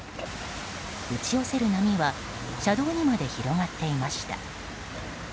打ち寄せる波は車道にまで広がっていました。